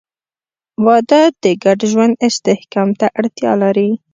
• واده د ګډ ژوند استحکام ته اړتیا لري.